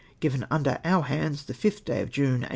— Given under our hands the 5th day of June, 1809.